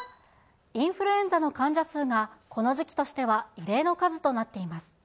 インフルエンザの患者数が、この時期としては異例の数となっています。